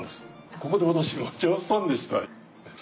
ここで私待ち合わせしたんでした。